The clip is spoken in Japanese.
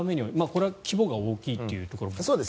これは規模が大きいということですね。